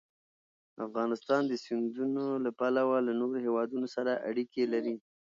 افغانستان د سیندونه له پلوه له نورو هېوادونو سره اړیکې لري.